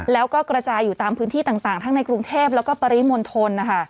แล้วก็กระจายอยู่ตามพื้นที่ต่างทั้งในกรุงเทพแล้วก็ปริมณฑล